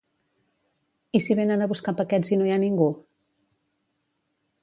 I si venen a buscar paquets i no hi ha ningú?